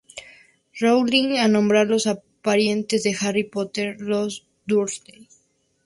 Rowling a nombrar a los parientes de Harry Potter: Los Dursley.